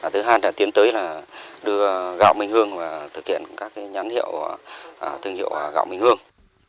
thứ hai là tiến tới đưa gạo mình hương và thực hiện các nhắn hiệu thương hiệu gạo mình hương